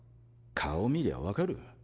顔見りゃ分かる。